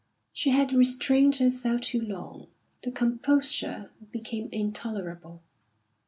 She had restrained herself too long; the composure became intolerable.